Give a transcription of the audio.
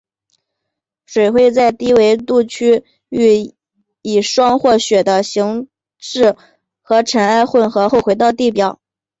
水会在低纬度区域以霜或雪的形式和尘埃混合后回到地表。